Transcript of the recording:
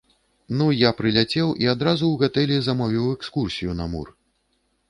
Ну, я прыляцеў і адразу ў гатэлі замовіў экскурсію на мур!